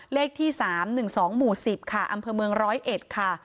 เลขที่๓๑๒๑๐อำเภอเมืองร้อยเอ็ดค่ะ